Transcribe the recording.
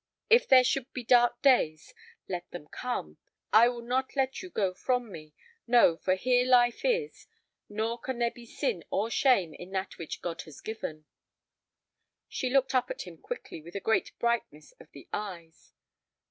If there should be dark days, let them come; I will not let you go from me—no, for here life is, nor can there be sin or shame in that which God has given." She looked up at him quickly with a great brightness of the eyes.